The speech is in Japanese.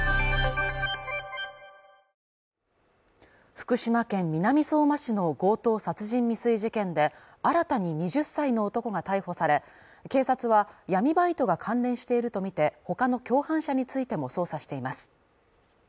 福島県南相馬市の強盗殺人未遂事件で、新たに２０歳の男が逮捕され、警察は闇バイトが関連しているとみて、他の共犯者についても捜査しています。